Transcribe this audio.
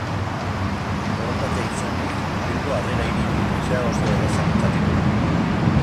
Borondatea izanik, Bilbo Harrera Hiri bihurtzea oso erraza litzateke.